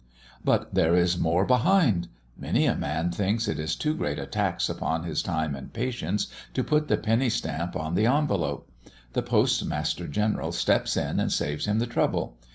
But there is more behind! Many a man thinks it too great a tax upon his time and patience to put the penny stamp on the envelope; the Postmaster General steps in and saves him the trouble.